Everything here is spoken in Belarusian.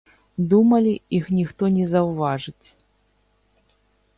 Думалі, іх ніхто не заўважыць.